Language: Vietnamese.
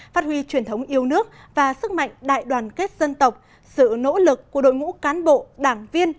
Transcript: phát huy truyền thống yêu nước và sức mạnh đại đoàn kết dân tộc sự nỗ lực của đội ngũ cán bộ đảng viên